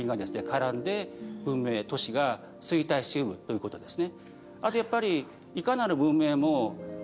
絡んで文明都市が衰退しうるということですね。